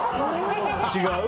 違う？